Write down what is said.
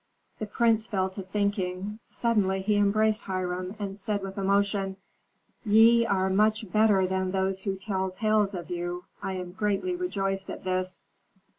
The prince fell to thinking; suddenly he embraced Hiram, and said with emotion, "Ye are much better than those who tell tales of you. I am greatly rejoiced at this."